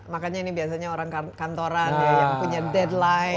makanya ini biasanya orang kantoran ya yang punya deadline